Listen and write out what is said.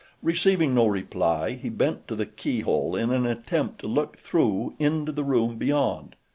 Receiving no reply he bent to the key hole in an attempt to look through into the room beyond.